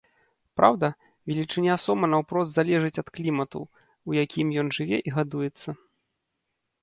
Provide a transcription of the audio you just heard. Праўда, велічыня сома наўпрост залежыць ад клімату, у якім ён жыве і гадуецца.